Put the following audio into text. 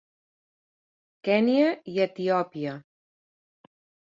Kenya i Etiòpia.